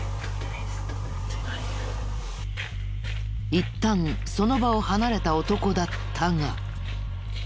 いったんその場を離れた男だったが。